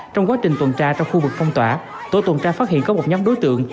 trong quá trình tuần tra trong khu vực phong tỏa tổ tuần tra phát hiện có một nhóm đối tượng